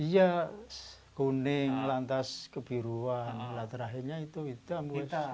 iya kuning lantas kebiruan alat terakhirnya itu hitam